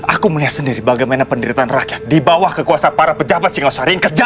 aku melihat sendiri bagaimana pendirian rakyat di bawah kekuasaan para pejabat singosari yang kejam